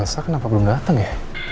saya kenapa belum datang ya